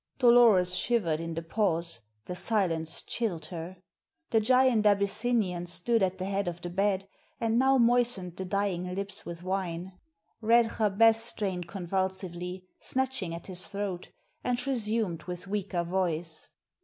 Dolores shivered in the pause; the silence chilled her. The giant Abyssinian stood at the head of the bed, and now moistened the dying lips with wine. Red Jabez strained convulsively, snatching at his throat, and resumed with weaker voice.